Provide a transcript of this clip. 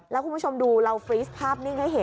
แล้วคุณผู้ชมดูเราฟรีสภาพนิ่งให้เห็น